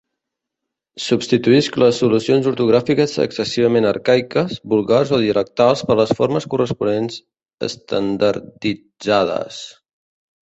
Substituïsc les solucions ortogràfiques excessivament arcaiques, vulgars o dialectals per les formes corresponents estandarditzades.